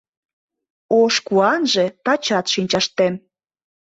Ош куанже — тачат шинчаштем.